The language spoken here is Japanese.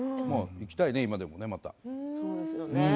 行きたいね、今でもまた。